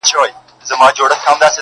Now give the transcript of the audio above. د شپو په زړه کي وینمه توپان څه به کوو؟٫